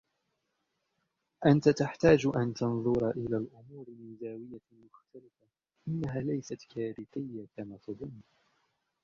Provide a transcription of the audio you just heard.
أنتَ تحتاج أن تنظر إلى الأُمور من زاوية مختلفة, إنها ليست كارثية كما تظن.